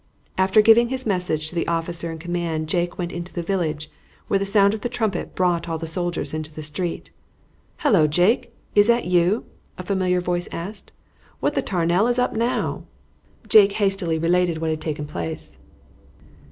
After giving his message to the officer in command Jake went into the village, where the sounds of the trumpet brought all the soldiers into the street. "Hullo, Jake! is that you?" a familiar voice asked. "What the tarnal is up now?" Jake hastily related what had taken place.